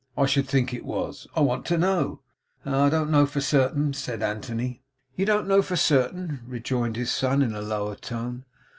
'I should think it was. I want to know.' 'Ah! I don't know for certain,' said Anthony. 'You don't know for certain,' rejoined his son in a lower tone.